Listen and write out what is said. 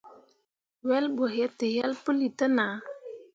Wel ɓo yetǝyel puli te nah.